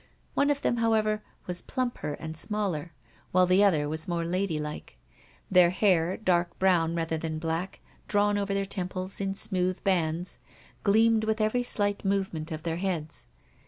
One of them, however, was plumper and smaller, while the other was more ladylike. Their hair, dark brown rather than black, drawn over their temples in smooth bands, gleamed with every slight movement of their heads.